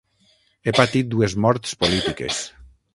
He patit dues morts polítiques.